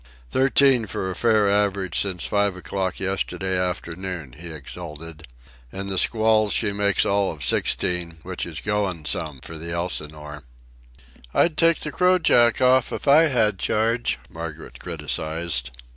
"Thirteen for a fair average since five o'clock yesterday afternoon," he exulted. "In the squalls she makes all of sixteen, which is going some, for the Elsinore." "I'd take the crojack off if I had charge," Margaret criticised.